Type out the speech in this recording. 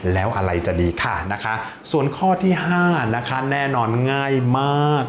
แล้วอะไรจะดีค่ะนะคะส่วนข้อที่๕นะคะแน่นอนง่ายมาก